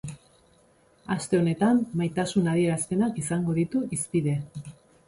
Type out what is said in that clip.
Aste honetan, maitasun adierazpenak izango ditu hizpide.